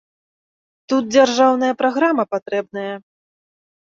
Тут дзяржаўная праграма патрэбная.